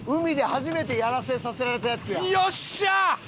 よっしゃー！